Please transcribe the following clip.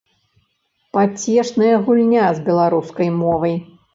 Пацешная гульня з беларускай мовай.